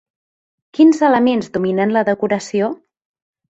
Quins elements dominen la decoració?